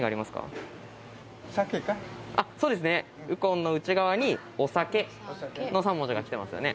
「うこん」の内側に「おさけ」の３文字がきてますよね。